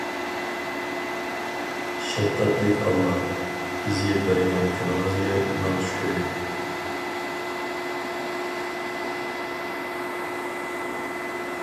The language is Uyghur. شەپقەتلىك ئاللا، بىزگە بەرگەن كۈنىڭىزگە مىڭ شۈكرى.